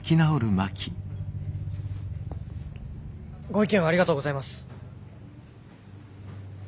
ご意見をありがとうございます。